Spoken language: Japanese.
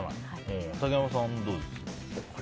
竹山さんはどうですか？